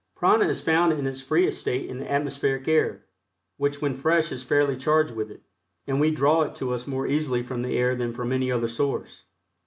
Prana is found in its freest state in the atmospheric air, which when fresh is fairly charged with it, and we draw it to us more easily from the air than from any other source.